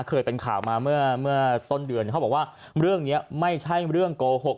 เคยเป็นข่าวมาเมื่อต้นเดือนเขาบอกว่าเรื่องนี้ไม่ใช่เรื่องโกหก